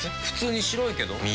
普通に白いけど。